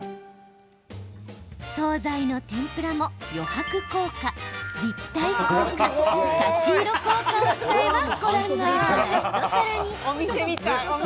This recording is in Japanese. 総菜の天ぷらも、余白効果立体効果、差し色効果を使えばご覧のような一皿に。